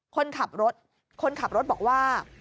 คนขับรถคนขับรถบอกว่า